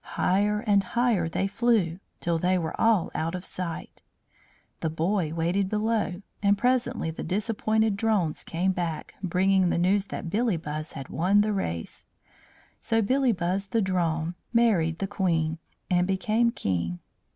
Higher and higher they flew, till they were all out of sight. The boy waited below, and presently the disappointed drones came back, bringing the news that Billybuzz had won the race. So Billybuzz the Drone married the Queen, and became King.